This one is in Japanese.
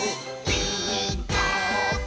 「ピーカーブ！」